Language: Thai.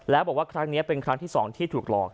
แล้วบอกว่าครั้งนี้เป็นครั้งที่๒ที่ถูกหลอก